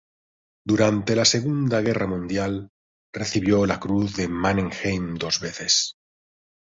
Durante la Segunda Guerra Mundial, recibió la Cruz de Mannerheim dos veces.